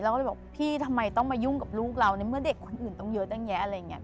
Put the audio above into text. เราก็เลยบอกพี่ทำไมต้องมายุ่งกับลูกเราในเมื่อเด็กคนอื่นต้องเยอะตั้งแยะอะไรอย่างนี้